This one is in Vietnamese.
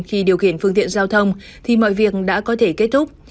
khi điều khiển phương tiện giao thông thì mọi việc đã có thể kết thúc